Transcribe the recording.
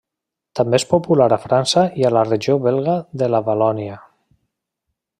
També és popular a França i a la regió belga de la Valònia.